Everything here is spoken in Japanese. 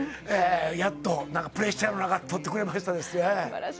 やっとプレッシャーの中、取ってくれました。